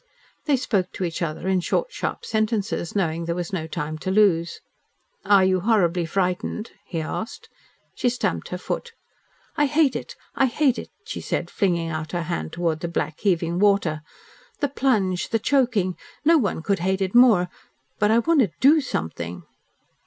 They spoke to each other in short, sharp sentences, knowing there was no time to lose. "Are you horribly frightened?" he asked. She stamped her foot. "I hate it I hate it!" she said, flinging out her hand towards the black, heaving water. "The plunge the choking! No one could hate it more. But I want to DO something!"